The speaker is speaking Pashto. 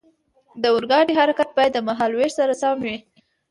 د اورګاډي حرکت باید د مهال ویش سره سم وي.